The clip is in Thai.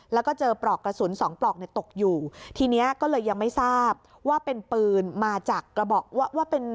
แล้วก็เจอปลอกกระสุนสองปลอกตกอยู่ทีนี้ก็เลยยังไม่ทราบว่าเป็นปืนมาจากกระบอก